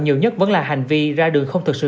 nhiều nhất vẫn là hành vi ra đường không thực sự